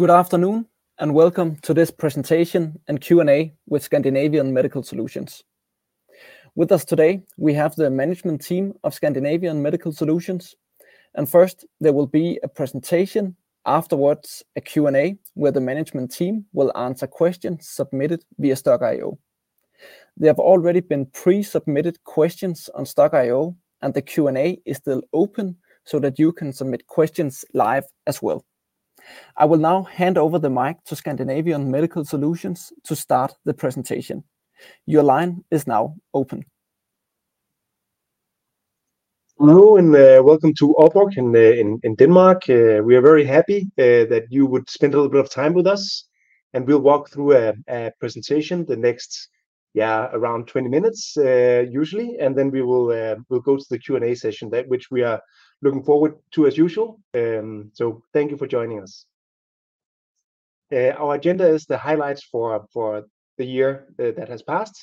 Good afternoon, and welcome to this presentation and Q&A with Scandinavian Medical Solutions. With us today, we have the management team of Scandinavian Medical Solutions, and first, there will be a presentation, afterwards, a Q&A, where the management team will answer questions submitted via Stock-IO. There have already been pre-submitted questions on Stokk.io, and the Q&A is still open so that you can submit questions live as well. I will now hand over the mic to Scandinavian Medical Solutions to start the presentation. Your line is now open. Hello, and welcome to Aalborg in Denmark. We are very happy that you would spend a little bit of time with us, and we'll walk through a presentation the next around 20 minutes, usually, and then we will, we'll go to the Q&A session, that which we are looking forward to as usual. So thank you for joining us. Our agenda is the highlights for the year that has passed,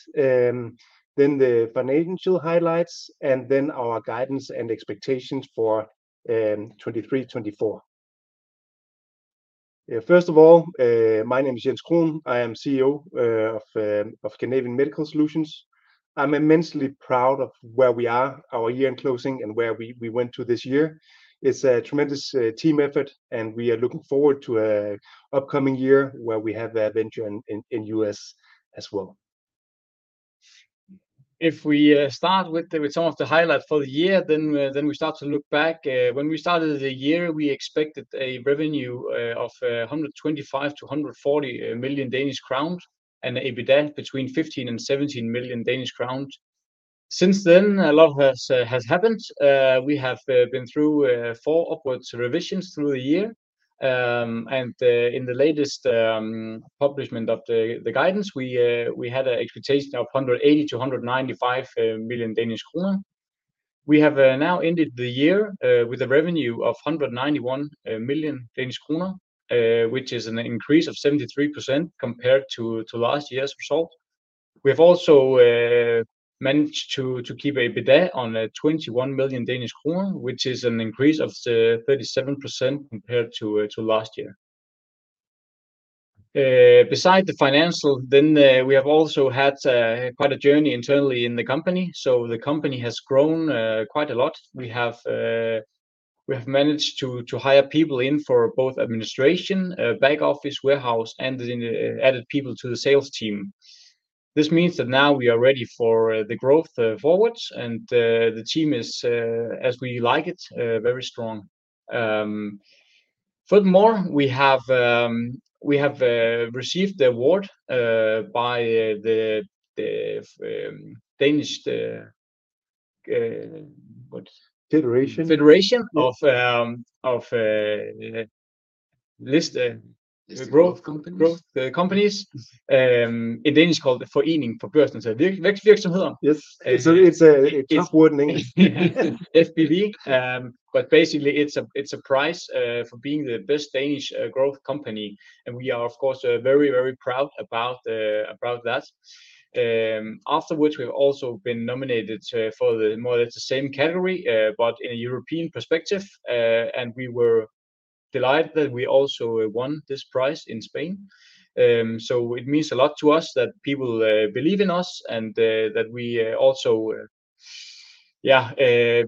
then the financial highlights, and then our guidance and expectations for 2023, 2024. First of all, my name is Jens Krohn. I am CEO of Scandinavian Medical Solutions. I'm immensely proud of where we are, our year in closing, and where we went to this year. It's a tremendous team effort, and we are looking forward to an upcoming year where we have a venture in the U.S. as well. If we start with some of the highlights for the year, then we start to look back. When we started the year, we expected a revenue of 125 million-140 million Danish crowns, and an EBITDA between 15 million-17 million Danish crowns. Since then, a lot has happened. We have been through 4 upward revisions through the year. In the latest publication of the guidance, we had an expectation of 180 million-195 million Danish kroner. We have now ended the year with a revenue of 191 million Danish kroner, which is an increase of 73% compared to last year's result. We have also managed to keep EBITDA on 21 million Danish kroner, which is an increase of 37% compared to last year. Besides the financial, then, we have also had quite a journey internally in the company. So the company has grown quite a lot. We have managed to hire people in for both administration, back office, warehouse, and then added people to the sales team. This means that now we are ready for the growth forward, and the team is as we like it very strong. Furthermore, we have received the award by the, the, Danish, what? Federation. Federation of listed List of growth companies Growth, companies. In Danish, it's called the Foreningen af Børsnoterede Vækstvirksomheder. Yes, it's a tough word in English. FBV. But basically, it's a prize for being the best Danish growth company, and we are, of course, very, very proud about that. Afterwards, we've also been nominated for the more or less the same category, but in a European perspective, and we were delighted that we also won this prize in Spain. So it means a lot to us that people believe in us and that we also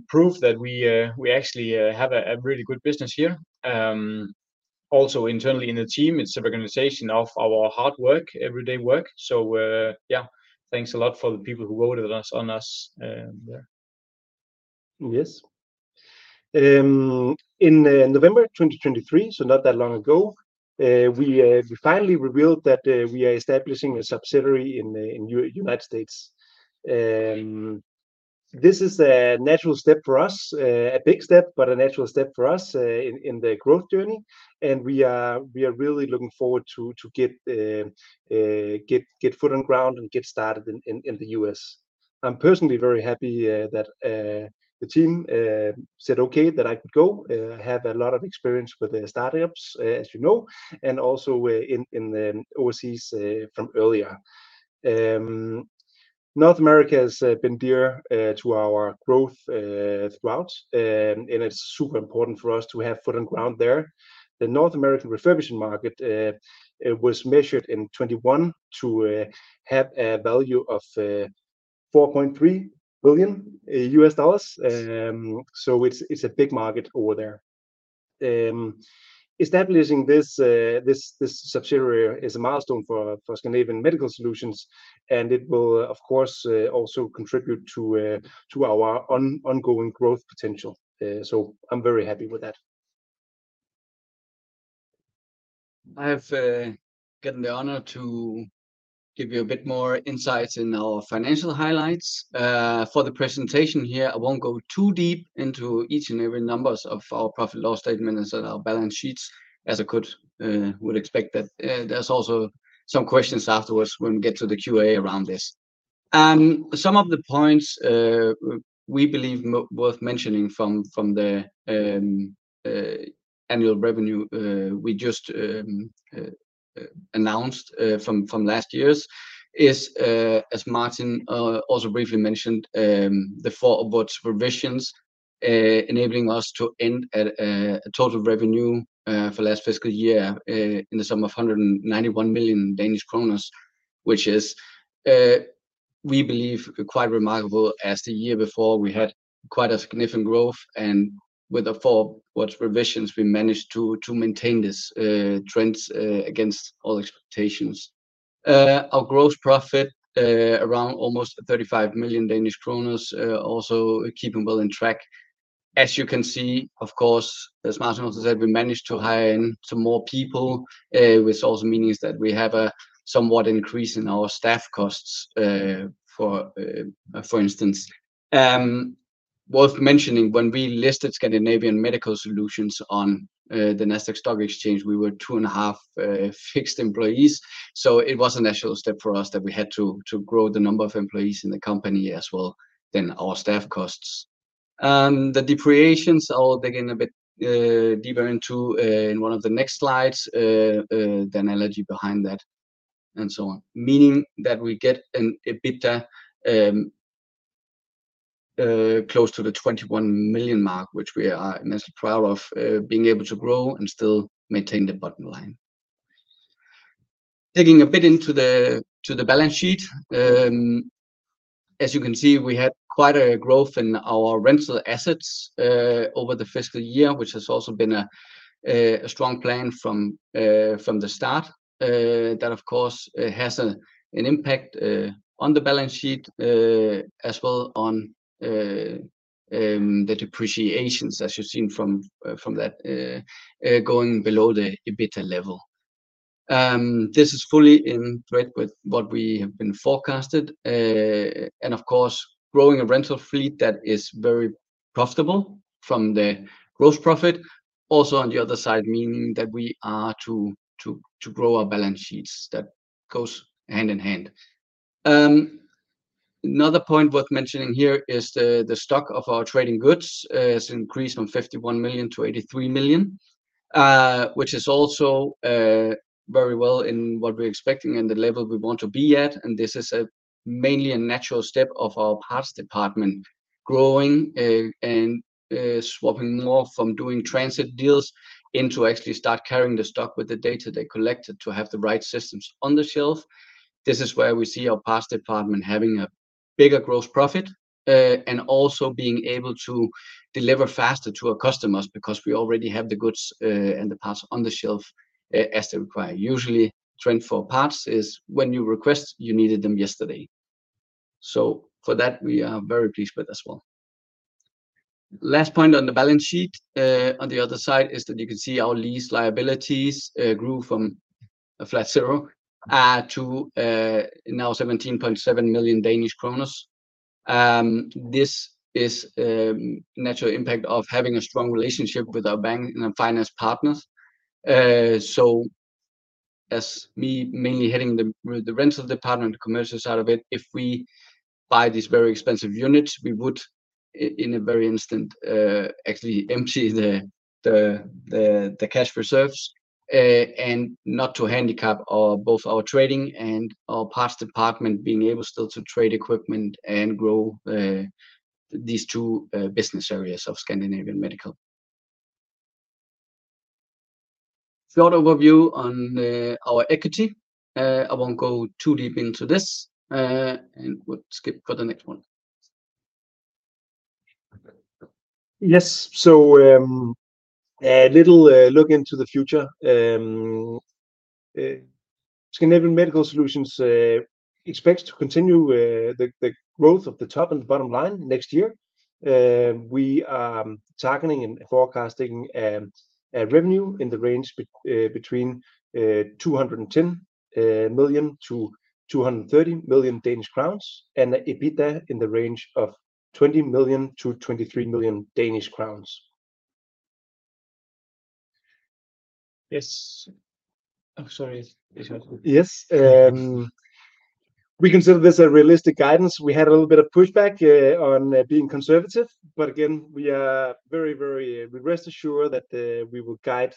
prove that we actually have a really good business here. Also internally in the team, it's a recognition of our hard work, everyday work. So, thanks a lot for the people who voted us on us. Yes. In November 2023, so not that long ago, we finally revealed that we are establishing a subsidiary in the United States. This is a natural step for us, a big step, but a natural step for us, in the growth journey, and we are really looking forward to get foot on ground and get started in the U.S. I'm personally very happy that the team said, okay, that I could go. I have a lot of experience with the start-ups, as you know, and also in the overseas from earlier. North America has been dear to our growth throughout, and it's super important for us to have foot on ground there. The North American refurbishing market, it was measured in 2021 to have a value of $4.3 billion. So it's, it's a big market over there. Establishing this subsidiary is a milestone for Scandinavian Medical Solutions, and it will, of course, also contribute to our ongoing growth potential. So I'm very happy with that. I have gotten the honor to give you a bit more insight in our financial highlights. For the presentation here, I won't go too deep into each and every numbers of our profit loss statement and so our balance sheets, as I would expect that there's also some questions afterwards when we get to the QA around this. Some of the points we believe worth mentioning from the annual revenue we just announced from last year is, as Martin also briefly mentioned, the four award provisions enabling us to end at a total revenue for last fiscal year in the sum of 191 million Danish kroner, which is, we believe, quite remarkable, as the year before we had quite a significant growth, and with the four award provisions, we managed to maintain this trends against all expectations. Our gross profit around almost 35 million Danish kroner also keeping well in track. As you can see, of course, as Martin also said, we managed to hire in some more people, which also means that we have a somewhat increase in our staff costs, for instance. Worth mentioning, when we listed Scandinavian Medical Solutions on the Nasdaq Stock Exchange, we were two and a half fixed employees, so it was a natural step for us that we had to grow the number of employees in the company as well, then our staff costs. The depreciations, I'll dig in a bit deeper into in one of the next slides, the analogy behind that, and so on. Meaning that we get an EBITDA close to the 21 million mark, which we are immensely proud of, being able to grow and still maintain the bottom line. Digging a bit into the balance sheet, as you can see, we had quite a growth in our rental assets over the fiscal year, which has also been a strong plan from the start. That, of course, has an impact on the balance sheet as well on the depreciations, as you've seen from that going below the EBITDA level. This is fully in line with what we have been forecasted, and of course, growing a rental fleet that is very profitable from the gross profit. Also, on the other side, meaning that we are to grow our balance sheets. That goes hand in hand. Another point worth mentioning here is the stock of our trading goods has increased from 51 million to 83 million, which is also very well in what we're expecting and the level we want to be at, and this is mainly a natural step of our parts department growing, and swapping more from doing transit deals into actually start carrying the stock with the data they collected to have the right systems on the shelf. This is where we see our parts department having a bigger gross profit, and also being able to deliver faster to our customers because we already have the goods and the parts on the shelf as they require. Usually, trend for parts is when you request, you needed them yesterday. So for that, we are very pleased with as well. Last point on the balance sheet, on the other side, is that you can see our lease liabilities grew from a flat zero to now 17.7 million Danish kroner. This is natural impact of having a strong relationship with our bank and our finance partners. So as me mainly heading the rental department, the commercial side of it, if we buy these very expensive units, we would in a very instant actually empty the cash reserves and not to handicap both our trading and our parts department, being able still to trade equipment and grow these two business areas of Scandinavian Medical. Short overview on our equity. I won't go too deep into this, and we'll skip for the next one. Yes, so, a little look into the future. Scandinavian Medical Solutions expects to continue the growth of the top and the bottom line next year. We are targeting and forecasting a revenue in the range between 210 million-230 million Danish crowns, and the EBITDA in the range of 20 million-23 million Danish crowns. Yes. I'm sorry. Yes, we consider this a realistic guidance. We had a little bit of pushback on being conservative, but again, we are very rest assured that we will guide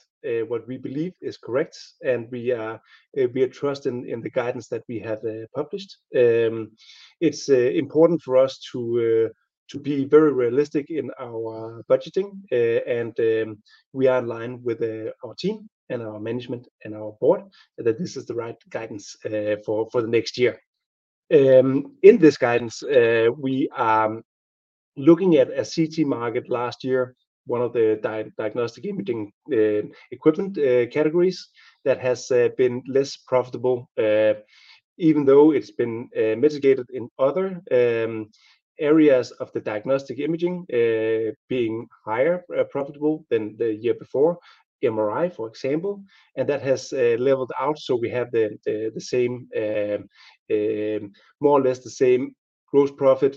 what we believe is correct, and we trust in the guidance that we have published. It's important for us to be very realistic in our budgeting, and we are in line with our team and our management and our board, that this is the right guidance for the next year. In this guidance, we are looking at a CT market last year, one of the diagnostic imaging equipment categories that has been less profitable, even though it's been mitigated in other areas of the diagnostic imaging being higher profitable than the year before, MRI, for example, and that has leveled out, so we have the same, more or less the same gross profit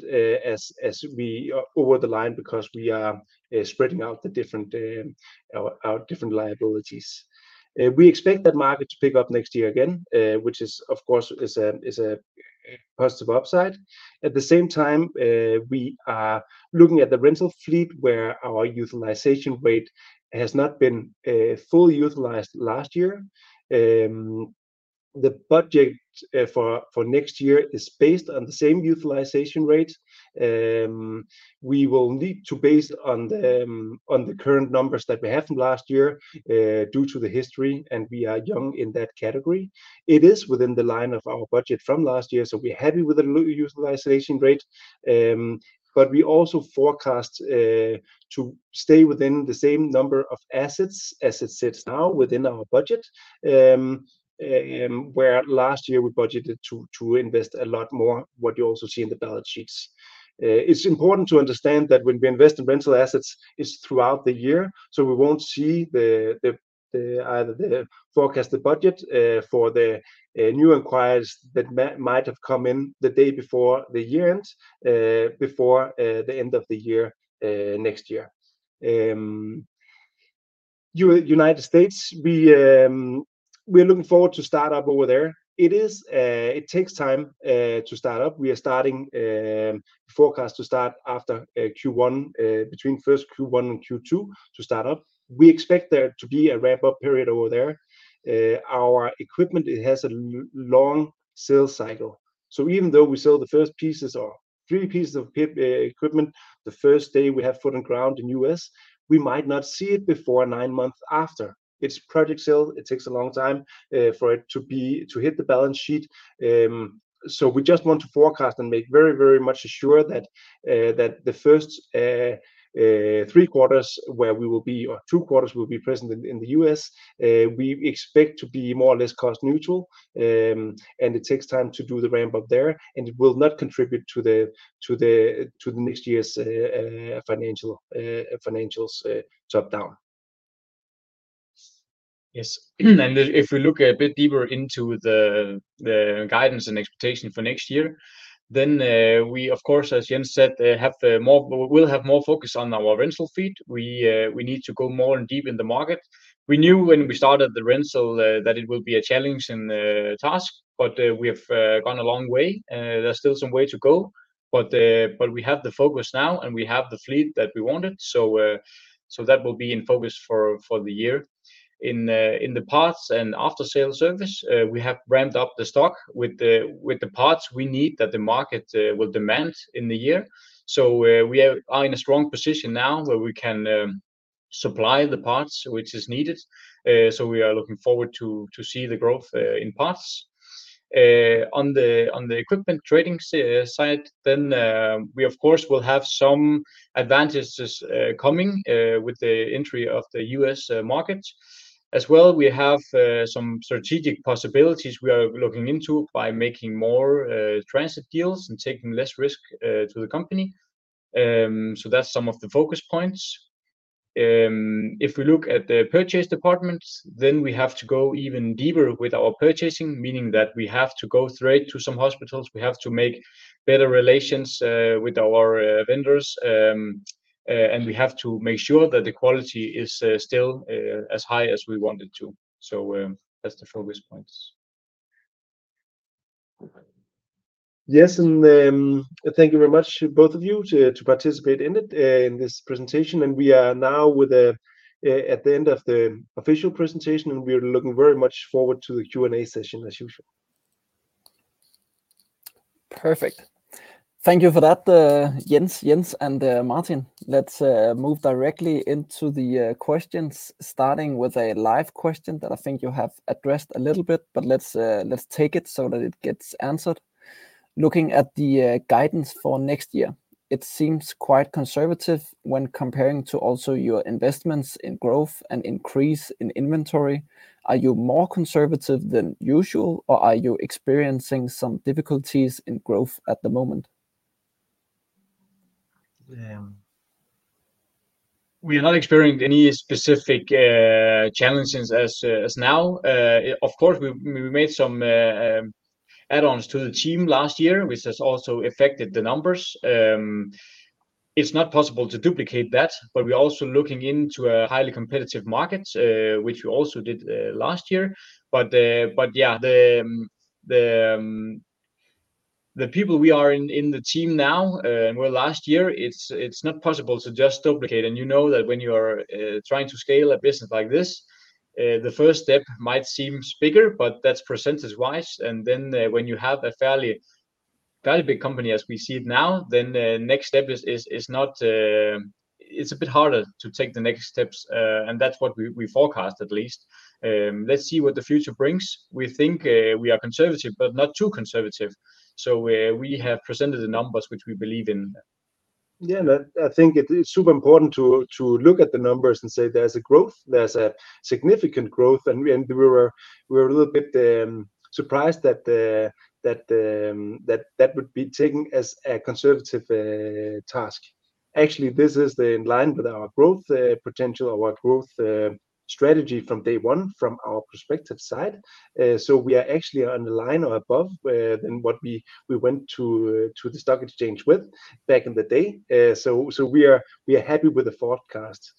as we over the line because we are spreading out the different our different liabilities. We expect that market to pick up next year again, which is, of course, a positive upside. At the same time, we are looking at the rental fleet, where our utilization rate has not been fully utilized last year. The budget for next year is based on the same utilization rate. We will need to base on the current numbers that we have from last year due to the history, and we are young in that category. It is within the line of our budget from last year, so we're happy with the utilization rate. But we also forecast to stay within the same number of assets as it sits now within our budget, where last year we budgeted to invest a lot more, what you also see in the balance sheets. It's important to understand that when we invest in rental assets, it's throughout the year, so we won't see the either the forecasted budget for the new inquiries that might have come in the day before the year end before the end of the year next year. United States, we're looking forward to start up over there. It takes time to start up. We are starting forecast to start after Q1 between first Q1 and Q2 to start up. We expect there to be a wrap-up period over there. Our equipment, it has a long sales cycle, so even though we sell the first pieces or three pieces of equipment, the first day we have foot on ground in U.S., we might not see it before nine months after. It's project sale, it takes a long time for it to be, to hit the balance sheet. So we just want to forecast and make very, very much sure that that the first three quarters where we will be or two quarters we will be present in, in the U.S., we expect to be more or less cost neutral. And it takes time to do the ramp up there, and it will not contribute to the, to the, to the next year's, financial, financials, top-down. Yes. And if we look a bit deeper into the guidance and expectation for next year, then we, of course, as Jens said, have the more-- we'll have more focus on our rental fleet. We need to go more and deep in the market. We knew when we started the rental that it will be a challenging task, but we have gone a long way. There's still some way to go, but we have the focus now, and we have the fleet that we wanted, so that will be in focus for the year. In the parts and after-sale service, we have ramped up the stock with the parts we need that the market will demand in the year. So, we are in a strong position now where we can supply the parts which is needed. So we are looking forward to see the growth in parts. On the equipment trading side, then we of course will have some advantages coming with the entry of the U.S. market. As well, we have some strategic possibilities we are looking into by making more transit deals and taking less risk to the company. So that's some of the focus points. If we look at the purchase department, then we have to go even deeper with our purchasing, meaning that we have to go straight to some hospitals, we have to make better relations with our vendors, and we have to make sure that the quality is still as high as we want it to. That's the focus points. Yes, and thank you very much to both of you to participate in it, in this presentation. We are now at the end of the official presentation, and we are looking very much forward to the Q&A session, as usual. Perfect. Thank you for that, Jens, Jens and, Martin. Let's move directly into the questions, starting with a live question that I think you have addressed a little bit, but let's take it so that it gets answered. Looking at the guidance for next year, it seems quite conservative when comparing to also your investments in growth and increase in inventory. Are you more conservative than usual, or are you experiencing some difficulties in growth at the moment? We are not experiencing any specific challenges as of now. Of course, we made some add-ons to the team last year, which has also affected the numbers. It's not possible to duplicate that, but we're also looking into a highly competitive market, which we also did last year. But yeah, the people we are in the team now and were last year, it's not possible to just duplicate. And you know that when you are trying to scale a business like this, the first step might seem bigger, but that's percentage-wise, and then when you have a fairly-... Fairly big company as we see it now, then the next step is not, it's a bit harder to take the next steps, and that's what we forecast at least. Let's see what the future brings. We think we are conservative, but not too conservative. So we have presented the numbers which we believe in. Yeah, and I think it is super important to look at the numbers and say there's a growth, there's a significant growth. And we were a little bit surprised that that would be taken as a conservative tack. Actually, this is in line with our growth potential or our growth strategy from day one, from our perspective side. So we are actually on the line or above than what we went to the stock exchange with back in the day. So we are happy with the forecast.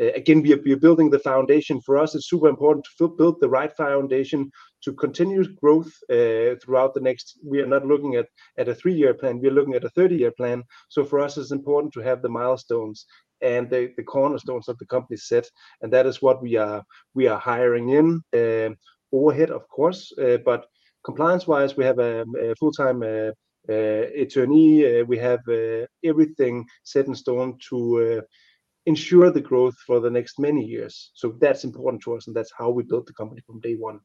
Again, we are building the foundation. For us, it's super important to build the right foundation to continue growth throughout the next... We are not looking at a three-year plan, we are looking at a 30-year plan. So for us, it's important to have the milestones and the cornerstones of the company set, and that is what we are hiring in overhead of course, but compliance-wise, we have a full-time attorney. We have everything set in stone to ensure the growth for the next many years. So that's important to us, and that's how we built the company from day one.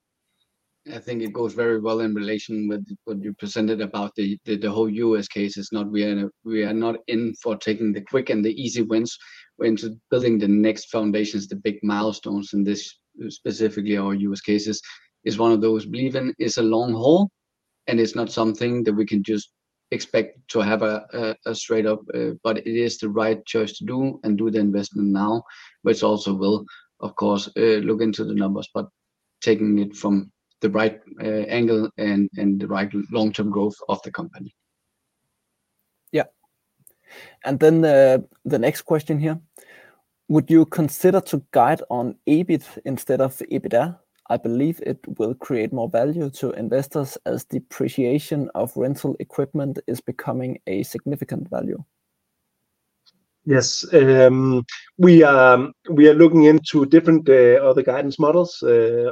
I think it goes very well in relation with what you presented about the whole U.S. case. It's not, we are not in for taking the quick and the easy wins. We're into building the next foundations, the big milestones, and this, specifically our U.S. cases, is one of those. Believe in it, it's a long haul, and it's not something that we can just expect to have a straight up, but it is the right choice to do and do the investment now, which also will, of course, look into the numbers, but taking it from the right angle and the right long-term growth of the company. Yeah. And then, the next question here: Would you consider to guide on EBIT instead of EBITDA? I believe it will create more value to investors as depreciation of rental equipment is becoming a significant value. Yes. We are looking into different other guidance models,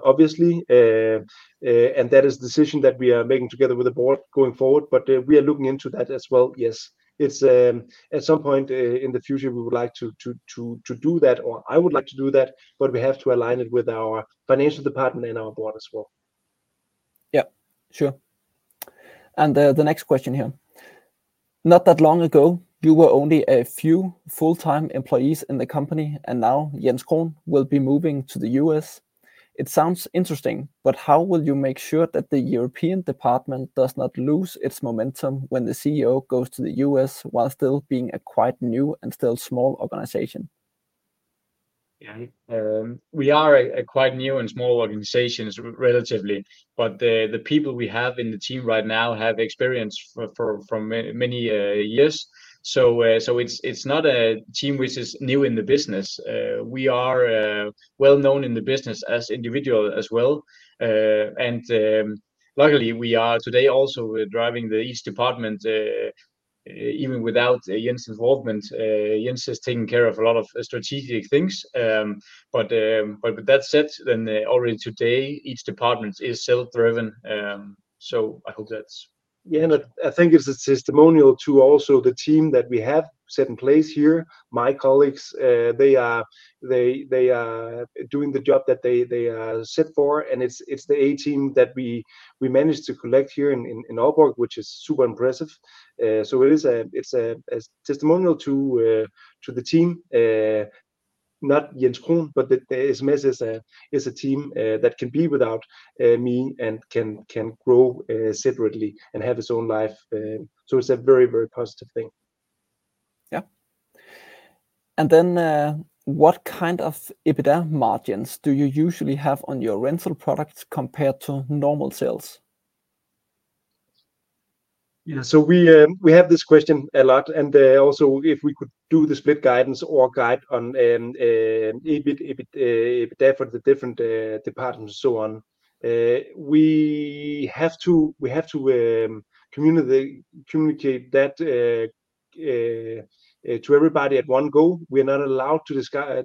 obviously, and that is the decision that we are making together with the board going forward, but we are looking into that as well. Yes, it's at some point in the future, we would like to do that or I would like to do that, but we have to align it with our financial department and our board as well. Yep, sure. And, the next question here: Not that long ago, you were only a few full-time employees in the company, and now Jens Krohn will be moving to the U.S. It sounds interesting, but how will you make sure that the European department does not lose its momentum when the CEO goes to the U.S. while still being a quite new and still small organization? Yeah. We are a quite new and small organization relatively, but the people we have in the team right now have experience from many years. So, it's not a team which is new in the business. We are well-known in the business as individuals as well. And luckily, we are today also driving each department, even without Jens' involvement. Jens is taking care of a lot of strategic things, but with that said, then already today, each department is self-driven. So I hope that's- Yeah, and I think it's a testimonial to also the team that we have set in place here. My colleagues, they are doing the job that they are set for, and it's the A-team that we managed to collect here in Aalborg, which is super impressive. So it's a testimonial to the team, not Jens Krohn, but the SMS is a team that can be without me and can grow separately and have its own life. So it's a very, very positive thing. Yeah. And then, what kind of EBITDA margins do you usually have on your rental products compared to normal sales? Yeah, so we, we have this question a lot, and, also, if we could do the split guidance or guide on, EBIT, EBITDA for the different, departments and so on, we have to, we have to, communicate, communicate that, to everybody at one go. We are not allowed to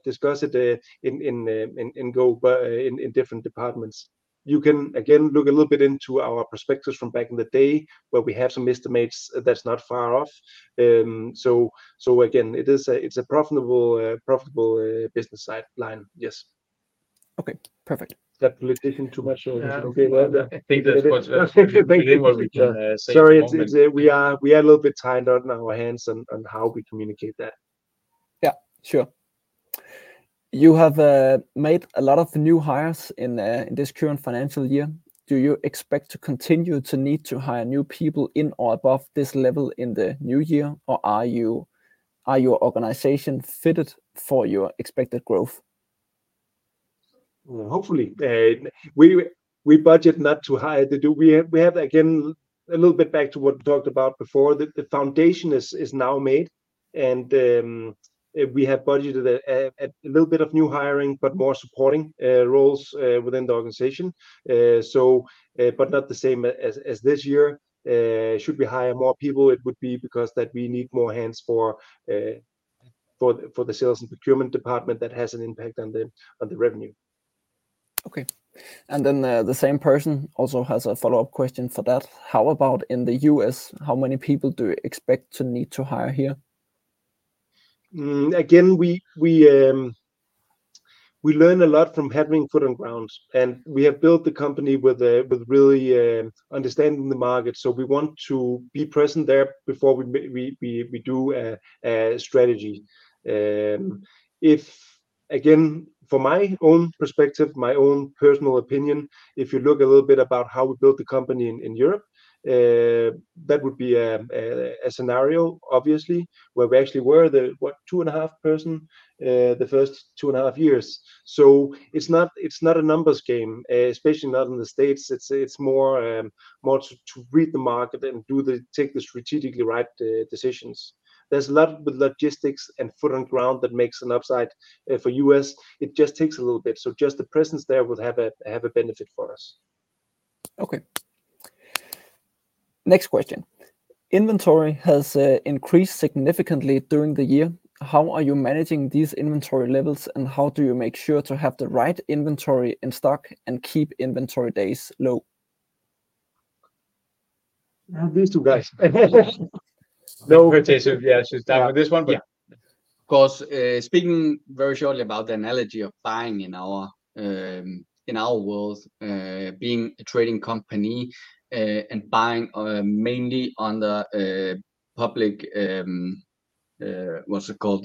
discuss it in one go, but in different departments. You can, again, look a little bit into our prospectus from back in the day, where we have some estimates that's not far off. So, so again, it is a, it's a profitable, profitable, business sideline. Yes. Okay, perfect. That politician too much or is it okay? Yeah, I think that's quite fair. Sorry, it's... We are a little bit tied on our hands on how we communicate that. Yeah, sure. You have made a lot of new hires in this current financial year. Do you expect to continue to need to hire new people in or above this level in the new year, or are you, are your organization fitted for your expected growth? Well, hopefully. We budget not to hire the. We have, again, a little bit back to what we talked about before, the foundation is now made, and we have budgeted a little bit of new hiring, but more supporting roles within the organization. So, but not the same as this year. Should we hire more people, it would be because that we need more hands for the sales and procurement department that has an impact on the revenue. Okay, and then, the same person also has a follow-up question for that. How about in the U.S.? How many people do you expect to need to hire here? Again, we learn a lot from having feet on the ground, and we have built the company with really understanding the market. So we want to be present there before we do a strategy. If, again, from my own perspective, my own personal opinion, if you look a little bit about how we built the company in Europe, that would be a scenario obviously, where we actually were the two and a half person the first two and a half years. So it's not a numbers game, especially not in the States. It's more to read the market and take the strategically right decisions. There's a lot with logistics and feet on the ground that makes an upside for U.S. It just takes a little bit, so just the presence there will have a benefit for us. Okay. Next question: Inventory has increased significantly during the year. How are you managing these inventory levels, and how do you make sure to have the right inventory in stock and keep inventory days low? These two guys. No, yeah, she's done with this one, but- Yeah. Of course, speaking very shortly about the analogy of buying in our, in our world, being a trading company, and buying, mainly on the, public, what's it called?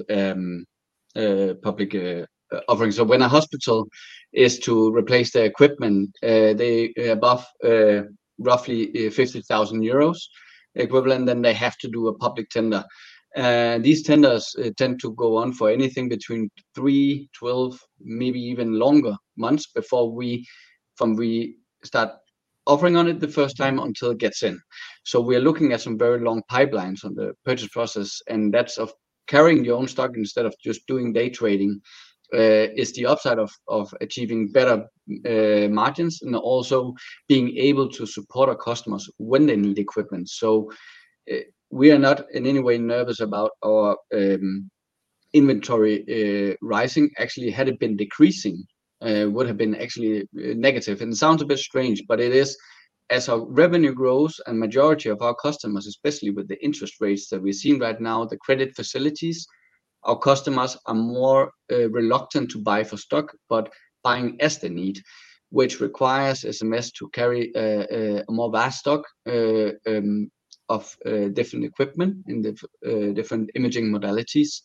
public offering. So when a hospital is to replace their equipment, they, above, roughly 50,000 euros equivalent, then they have to do a public tender. And these tenders tend to go on for anything between 3-12, maybe even longer months before we start offering on it the first time until it gets in. So we are looking at some very long pipelines on the purchase process, and that's of carrying your own stock instead of just doing day trading, is the upside of achieving better margins and also being able to support our customers when they need equipment. So, we are not in any way nervous about our inventory rising. Actually, had it been decreasing, would have been actually negative. And it sounds a bit strange, but it is. As our revenue grows and majority of our customers, especially with the interest rates that we're seeing right now, the credit facilities, our customers are more reluctant to buy for stock, but buying as they need, which requires SMS to carry a more vast stock of different equipment in the different imaging modalities.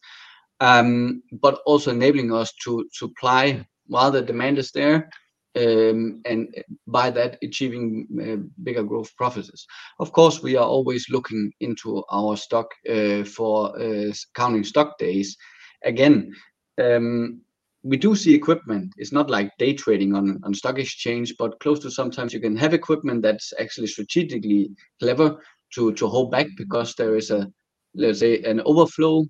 But also enabling us to supply while the demand is there, and by that achieving bigger gross profits. Of course, we are always looking into our stock for counting stock days. Again, we do see equipment. It's not like day trading on stock exchange, but close to sometimes you can have equipment that's actually strategically clever to hold back because there is a, let's say, an overflow,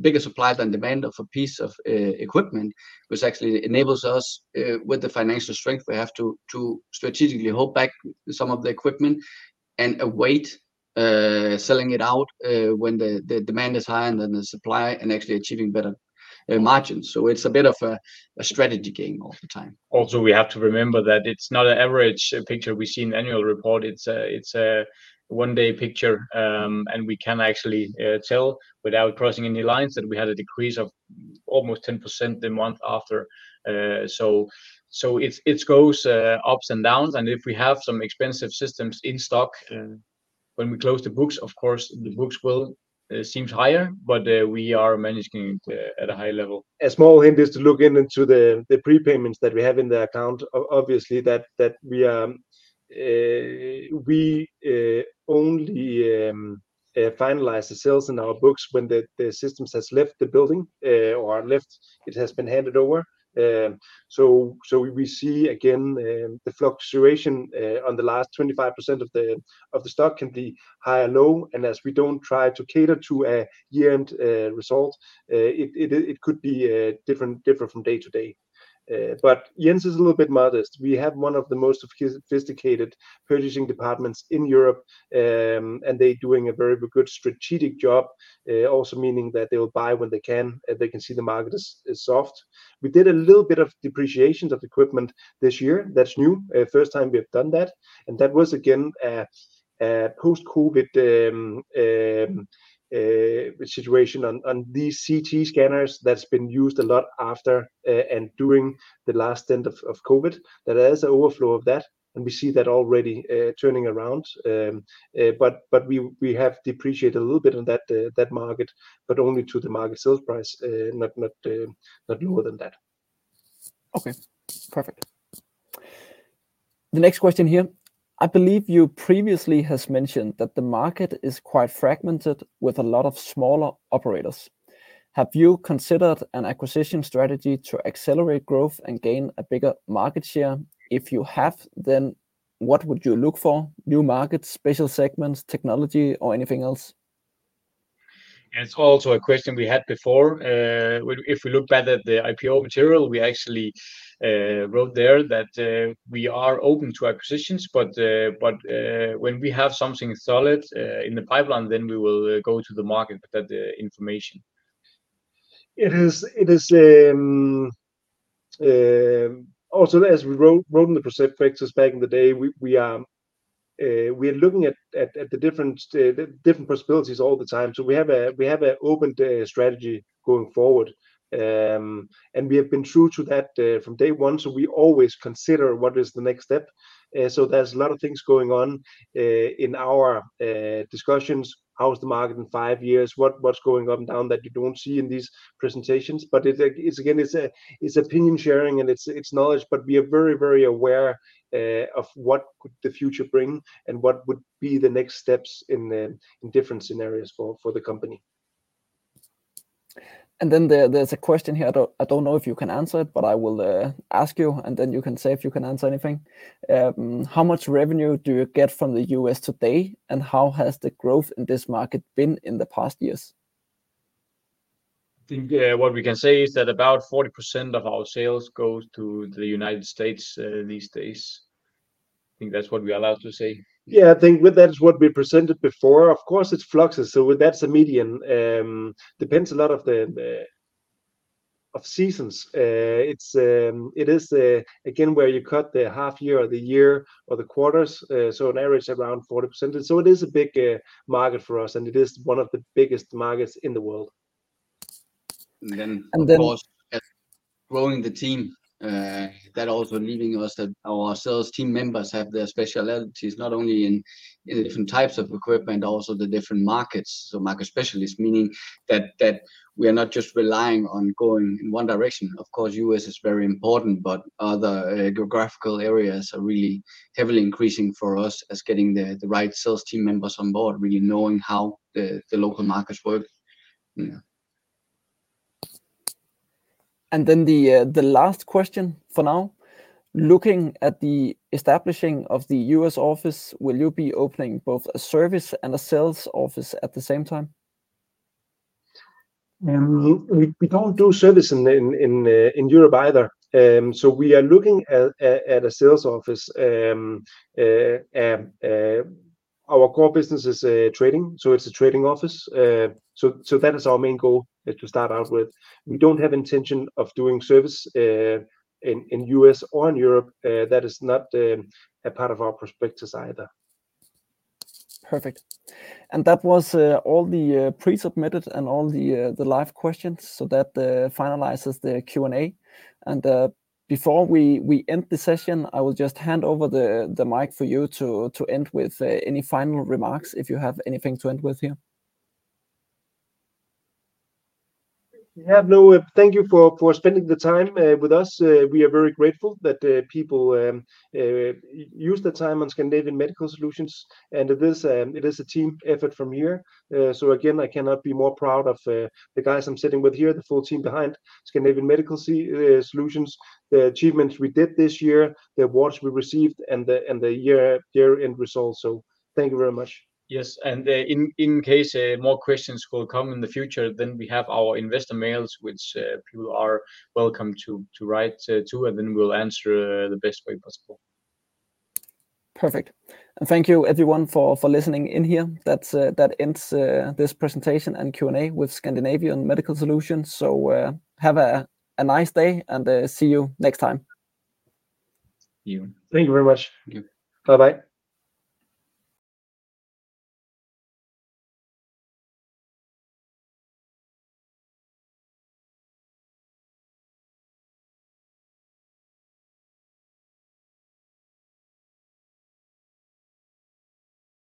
bigger supply than demand of a piece of equipment, which actually enables us, with the financial strength we have to strategically hold back some of the equipment and await selling it out when the demand is higher than the supply and actually achieving better margins. So it's a bit of a strategy game all the time. Also, we have to remember that it's not an average picture we see in the annual report. It's a one-day picture, and we can actually tell without crossing any lines that we had a decrease of almost 10% the month after. So it's, it goes ups and downs, and if we have some expensive systems in stock when we close the books, of course, the books will seem higher, but we are managing it at a high level. A small hint is to look into the prepayments that we have in the account. Obviously, that we only finalize the sales in our books when the systems has left the building or it has been handed over. So we see again the fluctuation on the last 25% of the stock can be high and low, and as we don't try to cater to a year-end result, it could be different from day to day. But Jens is a little bit modest. We have one of the most sophisticated purchasing departments in Europe, and they're doing a very good strategic job. Also meaning that they will buy when they can, if they can see the market is soft. We did a little bit of depreciation of equipment this year. That's new. First time we have done that, and that was again, a post-COVID situation on these CT scanners that's been used a lot after, and during the last end of COVID. There is an overflow of that, and we see that already, turning around. But, but we, we have depreciated a little bit on that, that market, but only to the market sales price, not, not, not lower than that. Okay, perfect. The next question here: I believe you previously has mentioned that the market is quite fragmented with a lot of smaller operators. Have you considered an acquisition strategy to accelerate growth and gain a bigger market share? If you have, then what would you look for? New markets, special segments, technology, or anything else? It's also a question we had before. If we look back at the IPO material, we actually wrote there that we are open to acquisitions, but when we have something solid in the pipeline, then we will go to the market with that information. It is also as we wrote in the prospectus back in the day, we are looking at the different possibilities all the time. So we have an open strategy going forward, and we have been true to that from day one, so we always consider what is the next step. So there's a lot of things going on in our discussions. How is the market in five years? What's going up and down that you don't see in these presentations? But it's again, it's opinion sharing and it's knowledge, but we are very, very aware of what could the future bring and what would be the next steps in the different scenarios for the company. And then there, there's a question here. I don't, I don't know if you can answer it, but I will ask you, and then you can say if you can answer anything. How much revenue do you get from the U.S. today, and how has the growth in this market been in the past years? I think, what we can say is that about 40% of our sales goes to the United States, these days. I think that's what we are allowed to say. Yeah, I think with that is what we presented before. Of course, it's fluxes, so that's a median. Depends a lot of the of seasons. It is again where you cut the half year or the year or the quarters, so on average, around 40%. So it is a big market for us, and it is one of the biggest markets in the world. And then- And then- Of course, growing the team, that also meaning us that our sales team members have their specialties, not only in, in the different types of equipment, also the different markets. So market specialists, meaning that, that we are not just relying on going in one direction. Of course, U.S. is very important, but other geographical areas are really heavily increasing for us as getting the, the right sales team members on board, really knowing how the, the local markets work. Yeah. And then the last question for now: looking at the establishing of the U.S. office, will you be opening both a service and a sales office at the same time? We don't do service in Europe either. So we are looking at a sales office. Our core business is trading, so it's a trading office. So that is our main goal to start out with. We don't have intention of doing service in U.S. or in Europe. That is not a part of our prospectus either. Perfect. And that was all the pre-submitted and all the live questions, so that finalizes the Q&A. And before we end the session, I will just hand over the mic for you to end with any final remarks, if you have anything to end with here. Yeah, no, thank you for spending the time with us. We are very grateful that people use the time on Scandinavian Medical Solutions, and it is a team effort from here. So again, I cannot be more proud of the guys I'm sitting with here, the full team behind Scandinavian Medical Solutions, the achievements we did this year, the awards we received, and the year-end results. So thank you very much. Yes, and in case more questions will come in the future, then we have our investor mails, which people are welcome to write to, and then we'll answer the best way possible. Perfect. Thank you everyone for listening in here. That ends this presentation and Q&A with Scandinavian Medical Solutions. Have a nice day, and see you next time. See you. Thank you very much. Thank you. Bye-bye.